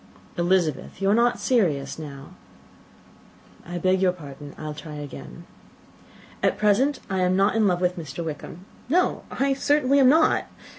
"Elizabeth, you are not serious now." "I beg your pardon. I will try again. At present I am not in love with Mr. Wickham; no, I certainly am not.